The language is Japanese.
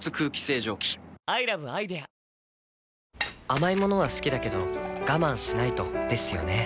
甘い物は好きだけど我慢しないとですよね